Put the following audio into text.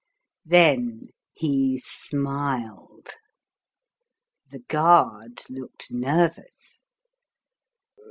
Then he smiled. The guard looked nervous.